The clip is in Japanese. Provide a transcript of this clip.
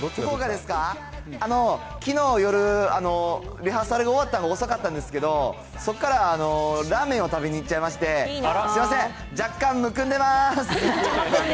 きのう夜、リハーサルが終わったのが遅かったんですけど、そこからラーメンを食べに行っちゃいまして、すみません、若干むくんでます。